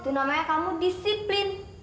itu namanya kamu disiplin